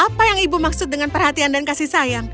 apa yang ibu maksud dengan perhatian dan kasih sayang